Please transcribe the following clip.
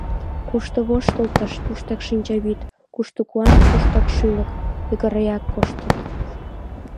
Кушто воштылтыш, туштак шинчавӱд, кушто куан, туштак шӱлык — йыгыреак коштыт.